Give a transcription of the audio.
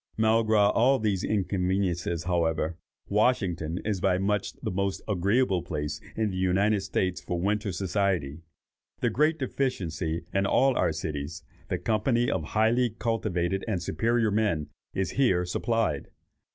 Malgré all these inconveniences, however, Washington is by much the most agreeable place in the United States for winter society. The great deficiency in all our cities, the company of highly cultivated and superior men, is here supplied.